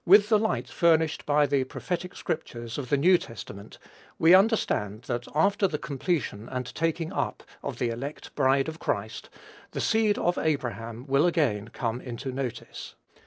With the light furnished by the prophetic scriptures of the New Testament, we understand that after the completion and taking up of the elect bride of Christ, the seed of Abraham will again come into notice.